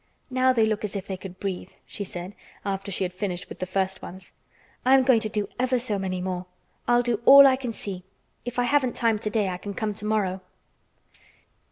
"Now they look as if they could breathe," she said, after she had finished with the first ones. "I am going to do ever so many more. I'll do all I can see. If I haven't time today I can come tomorrow."